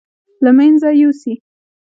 له مېنځه يوسي.